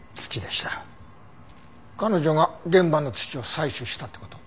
彼女が現場の土を採取したって事？